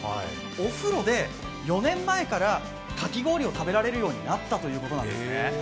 お風呂で４年前からかき氷を食べられるようになったんですね。